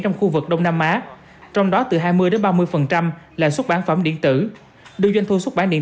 trong khu vực đông nam á trong đó từ hai mươi ba mươi là xuất bản phẩm điện tử đưa doanh thu xuất bản điện